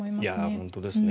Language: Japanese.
本当ですね。